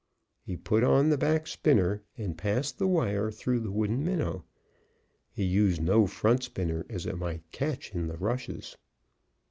He put on the back spinner, and passed the wire through the wooden minnow. He used no front spinner, as it might catch in the rushes.